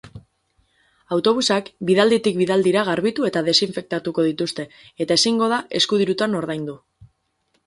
Autobusak bidalditik bidaldira garbitu eta desinfektatuko dituzte, eta ezingo da eskudirutan ordaindu.